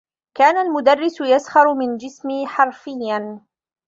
كان المدرّس يسخر من جسمي حرفيّا.